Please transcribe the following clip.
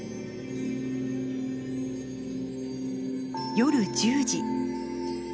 夜１０時。